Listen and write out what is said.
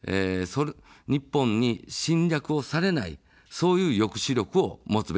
日本に侵略をされない、そういう抑止力を持つべきだと思います。